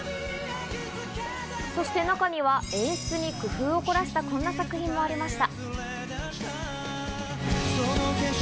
そして中にはを凝らしたこんな作品もありました